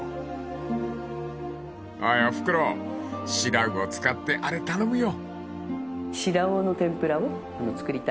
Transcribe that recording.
［おーいおふくろシラウオ使ってあれ頼むよ］